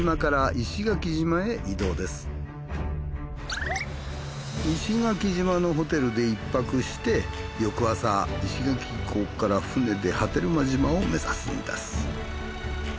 石垣島のホテルで１泊して翌朝石垣港から船で波照間島を目指すんです。